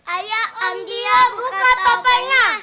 ayah om dio buka topengnya